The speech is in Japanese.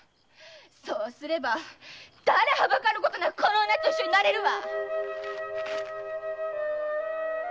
そうすれば誰はばかることなくこの女と一緒になれるわ！